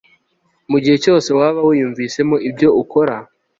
Mu gihe cyose waba wiyumvisemo ibyo ukora